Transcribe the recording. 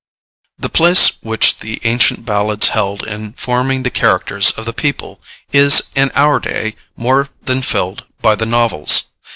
The place which the ancient ballads held in forming the characters of the people is in our day more than filled by the novels.